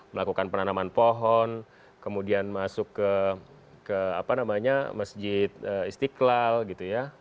melakukan penanaman pohon kemudian masuk ke masjid istiqlal gitu ya